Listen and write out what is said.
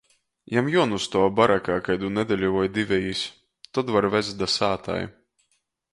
Jam juonūstuov barakā kaidu nedeļu voi divejis, tod var vest da sātai.